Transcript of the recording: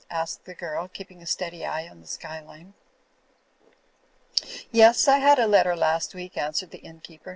asked the girl, keeping a steady eye on the sky line. "Yes, I had a letter last week," answered the inn keeper.